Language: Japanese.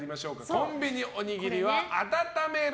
コンビニおにぎりは温める。